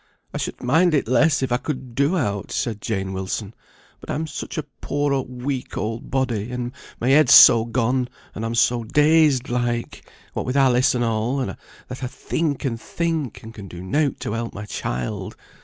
"I should mind it less if I could do aught," said Jane Wilson; "but I'm such a poor weak old body, and my head's so gone, and I'm so dazed like, what with Alice and all, that I think and think, and can do nought to help my child.